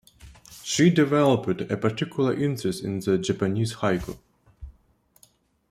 She developed a particular interest in the Japanese haiku.